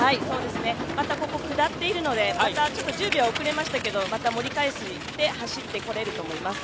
またここ下っているので、１０秒遅れましたけどまた盛り返して走ってこれると思います。